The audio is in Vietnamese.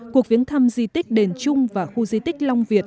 cuộc viếng thăm di tích đền trung và khu di tích long việt